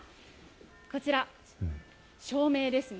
こちら、照明ですね。